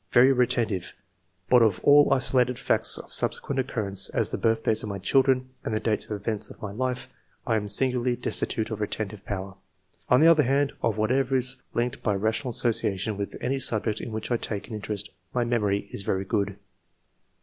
very retentive, but of all isolated facts of subsequent occurrence, as the birthdays of my children, and the dates of events of my own life, I am singularly destitute of retentive power. On tHe other hand, of whatever is linked by rational association with any subject in which I take an interest, my memory is very good.